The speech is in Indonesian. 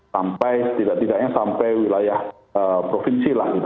sampai setidak tidaknya sampai wilayah provinsi lah gitu